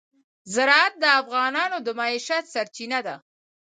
زراعت د افغانانو د معیشت سرچینه ده.